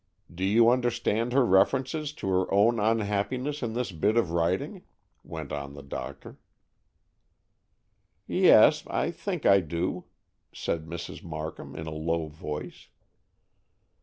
"Do you understand her reference to her own unhappiness in this bit of writing?" went on the doctor. "Yes, I think I do," said Mrs. Markham in a low voice.